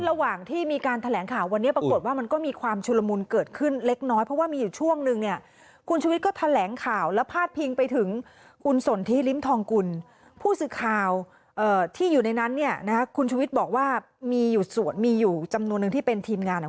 ดังนั้นอันนี้คือการโกงประชาชนโกงผู้ถือหุ้นนั่นเอง